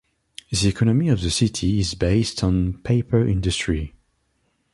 The economy of the city is based on paper industry.